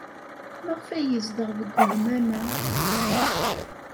Maɣef ay yezdeɣ deg ugmam-a?